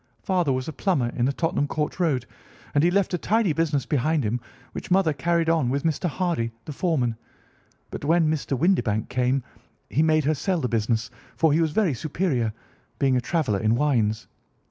Father was a plumber in the Tottenham Court Road, and he left a tidy business behind him, which mother carried on with Mr. Hardy, the foreman; but when Mr. Windibank came he made her sell the business, for he was very superior, being a traveller in wines.